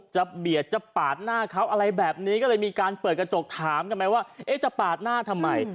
จะพาดหน้าทำไม